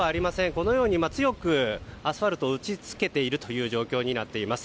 このように強くアスファルトを打ち付けているという状況になっています。